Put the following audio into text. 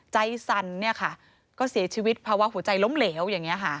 ใจสันก็เสียชีวิตเพราะว่าหัวใจล้มเหลวอย่างนี้ค่ะ